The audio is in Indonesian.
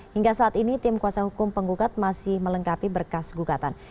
hingga saat ini tim kuasa hukum penggugat masih melengkapi berkas gugatan